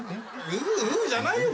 「ウーウー」じゃないよ